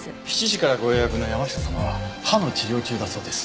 ７時からご予約の山下様は歯の治療中だそうです。